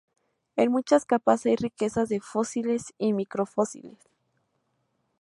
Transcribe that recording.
En muchas capas hay riqueza de fósiles y microfósiles.